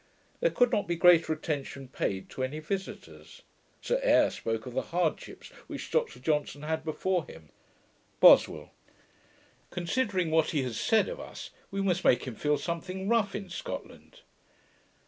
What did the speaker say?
There could not be greater attention paid to any visitors. Sir Eyre spoke of the hardships which Dr Johnson had before him. BOSWELL. 'Considering what he has said of us, we must make him feel something rough in Scotland.'